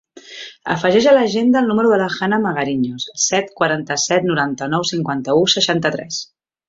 Afegeix a l'agenda el número de la Hanna Magariños: set, quaranta-set, noranta-nou, cinquanta-u, seixanta-tres.